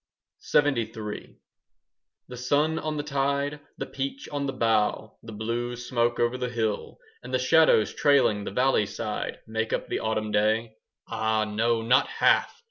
LXXIII The sun on the tide, the peach on the bough, The blue smoke over the hill, And the shadows trailing the valley side, Make up the autumn day. Ah, no, not half!